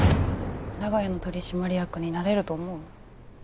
長屋の取締役になれると思う？